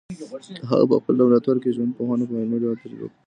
هغه په خپل لابراتوار کي ژوندپوهنه په عملي ډول تجربه کوي.